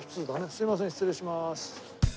すみません失礼します。